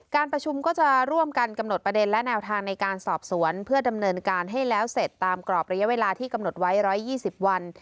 การประชุมก็จะร่วมกันกำหนดประเด็นและแนวทางในการสอบสวนเพื่อดำเนินการให้แล้วเสร็จตามกรอบระยะเวลาที่กำหนดไว้๑๒๐วัน